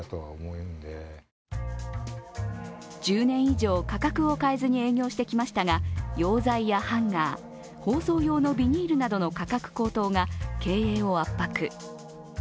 １０年以上価格を変えずに営業してきましたが溶剤やハンガー、包装用のビニールなどの価格高騰が経営を圧迫。